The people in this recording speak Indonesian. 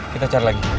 kita cari lagi